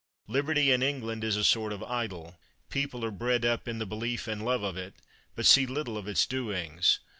Liberty in England is a sort of idol; people are bred up in the belief and love of it, but see little of its doings.